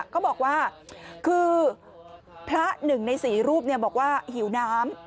ก็บอกว่าคือพระหนึ่งในสี่รูปบอกว่าหิวน้ำ